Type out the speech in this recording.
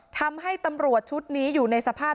ทำให้ตำรวจชุดนี้อยู่ในสภาพ